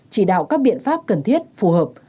chỉ đạo các biện pháp cần thiết phù hợp